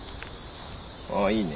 あいいね。